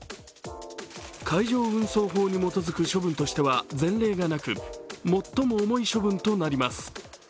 海上運送法に基づく処分としては前例がなく最も重い処分となります。